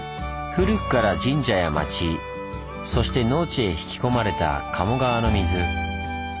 古くから神社や町そして農地へ引き込まれた賀茂川の水。